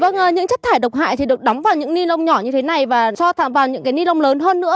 những chất thải độc hại thì được đóng vào những ni lông nhỏ như thế này và cho vào những ni lông lớn hơn nữa